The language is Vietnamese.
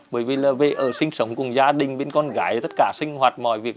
bởi vì ở sinh sống cùng gia đình bên con gái tất cả sinh hoạt mọi việc